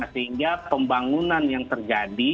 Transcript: sehingga pembangunan yang terjadi